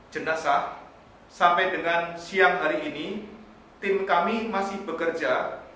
jenazah sampai dengan siang hari ini tim kami masih bekerja